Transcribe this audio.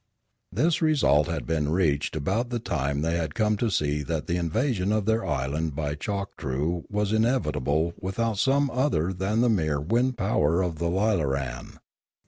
This result had been reached about the time they had come to see that the invasion of their island by Chok troo was inevitable without some other than the mere wind power of the lilaran.